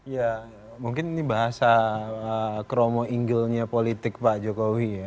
ya mungkin ini bahasa kromo inglenya politik pak jokowi ya